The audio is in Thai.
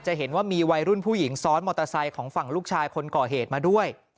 เห็นว่ามีวัยรุ่นผู้หญิงซ้อนมอเตอร์ไซค์ของฝั่งลูกชายคนก่อเหตุมาด้วย